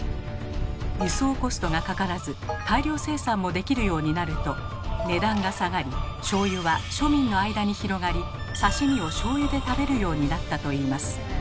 輸送コストがかからず大量生産もできるようになると値段が下がりしょうゆは庶民の間に広がり刺身をしょうゆで食べるようになったといいます。